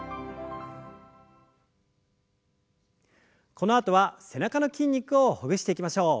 このあとは背中の筋肉をほぐしていきましょう。